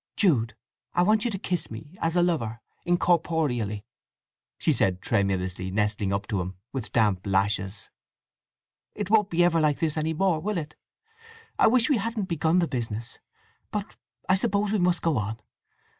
"Jude, I want you to kiss me, as a lover, incorporeally," she said, tremulously nestling up to him, with damp lashes. "It won't be ever like this any more, will it? I wish we hadn't begun the business. But I suppose we must go on.